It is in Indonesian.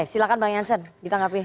silahkan bang yansen ditangkapi